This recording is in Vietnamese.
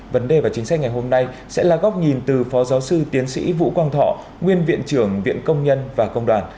vấn đề và chính sách ngày hôm nay sẽ là góc nhìn từ phó giáo sư tiến sĩ vũ quang thọ nguyên viện trưởng viện công nhân và công đoàn